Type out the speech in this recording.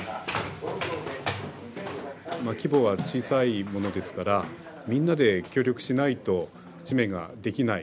規模は小さいものですからみんなで協力しないと紙面ができない。